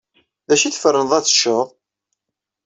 D acu i tferneḍ ad teččeḍ?